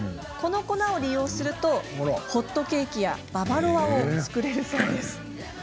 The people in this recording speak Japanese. この粉を利用するとホットケーキやババロアを作れるそうです。